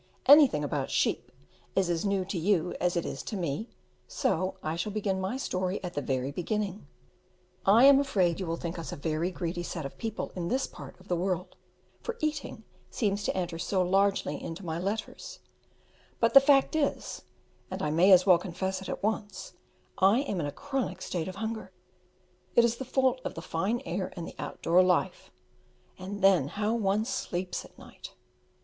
Anything about sheep is as new to you as it is to me, so I shall begin my story at the very beginning. I am afraid you will think us a very greedy set of people in this part of the world, for eating seems to enter so largely into my letters; but the fact is and I may as well confess it at once I am in a chronic state of hunger; it is the fault of the fine air and the outdoor life: and then how one sleeps at night!